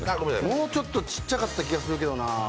もうちょっとちっちゃかった気がするけどなあ。